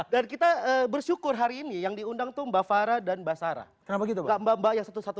dan kita bersyukur hari ini yang diundang tumba farah dan basara terbagi tambah banyak satu satu